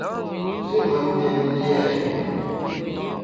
Nji mentèn lia nyinyi.